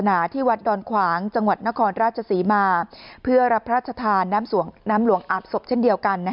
หนาที่วัดดอนขวางจังหวัดนครราชศรีมาเพื่อรับพระราชทานน้ำหลวงอาบศพเช่นเดียวกัน